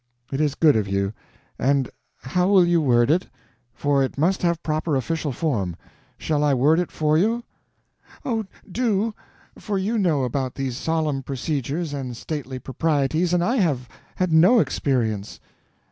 "It is good of you. And how will you word it?—for it must have proper official form. Shall I word it for you?" "Oh, do—for you know about these solemn procedures and stately proprieties, and I have had no experience."